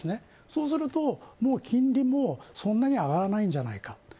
そうすると、金利もそんなに上がらないんじゃないかと。